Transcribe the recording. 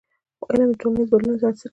علم د ټولنیز بدلون بنسټ دی.